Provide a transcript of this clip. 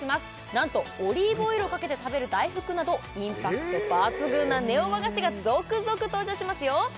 なんとオリーブオイルをかけて食べる大福などインパクト抜群なネオ和菓子が続々登場しますよ